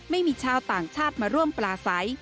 ไม่มีชาวต่างชาติมาร่วมปลาใส